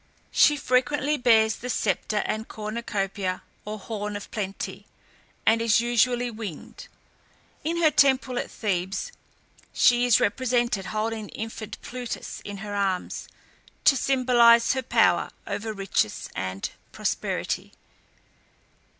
She frequently bears the sceptre and cornucopia or horn of plenty, and is usually winged. In her temple at Thebes, she is represented holding the infant Plutus in her arms, to symbolize her power over riches and prosperity.